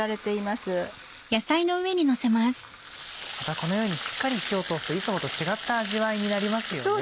またこのようにしっかり火を通すといつもと違った味わいになりますよね。